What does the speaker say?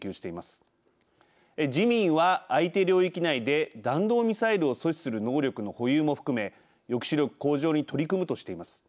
自民は相手領域内で弾道ミサイルを阻止する能力の保有も含め抑止力向上に取り組むとしています。